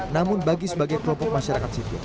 namun bagi sebagai kelompok masyarakat sipil